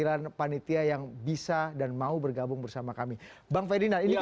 kita bicara mengenai dukungan politik